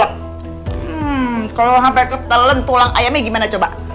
hmm kalau sampai ketelen tulang ayamnya gimana coba